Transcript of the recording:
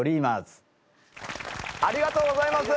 ありがとうございます！